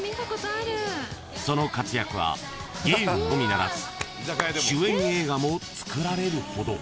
［その活躍はゲームのみならず主演映画も作られるほど］